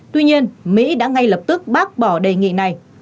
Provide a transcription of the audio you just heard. tuy nhiên mỹ đã ngay lập tức bác bỏ đề nghị này